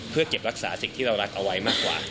เพื่อเก็บรักษาสิ่งที่เรารักเอาไว้มากกว่า